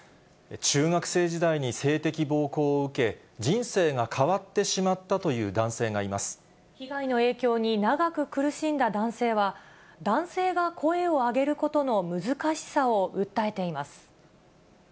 中学生時代に性的暴行を受け、人生が変わってしまったという男被害の影響に長く苦しんだ男性は、男性が声を上げることの難しさを訴えています。